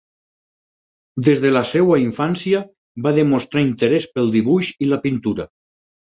Des de la seva infància va demostrar interès pel dibuix i la pintura.